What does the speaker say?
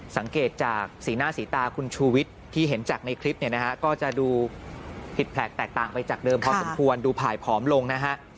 สังเกตจากสีหน้าสีตาคุณชูวิทย์ที่เห็นจากในคลิปเนี่ยนะฮะก็จะดูผิดแผลกแตกต่างไปจากเดิมพอสมควรดูผ่ายผอมลงนะฮะ